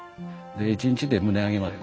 で一日で棟上げまで。